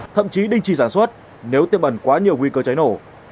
thậm chí đình chỉ sản xuất nếu tiêm bẩn quá nhiều nguy cơ cháy nổ